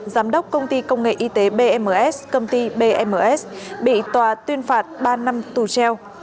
giám đốc công ty công nghệ y tế bms công ty bms bị tòa tuyên phạt ba năm tù treo